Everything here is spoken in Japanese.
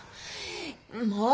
もう！